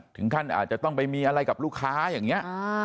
ถึงขั้นอาจจะต้องไปมีอะไรกับลูกค้าอย่างนี้